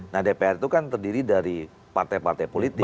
nah dpr itu kan terdiri dari partai partai politik